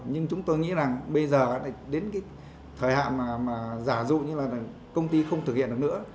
nhưng chúng tôi nghĩ rằng bây giờ đến cái thời hạn mà giả dụ như là công ty không thực hiện được nữa